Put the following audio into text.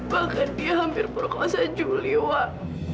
bahkan dia hampir perkosa juli wak